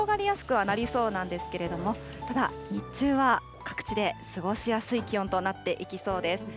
きょうは薄雲が広がりやすくはなりそうなんですけれども、ただ、日中は各地で過ごしやすい気温となっていきそうです。